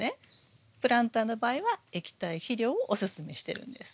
プランターの場合は液体肥料をおすすめしてるんです。